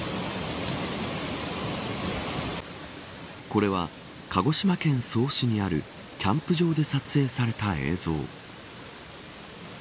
これは、鹿児島県曽於市にあるキャンプ場で撮影された映像。